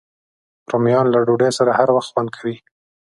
رومیان له ډوډۍ سره هر وخت خوند کوي